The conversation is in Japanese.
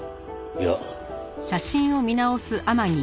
いや。